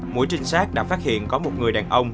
mũi trinh sát đã phát hiện có một người đàn ông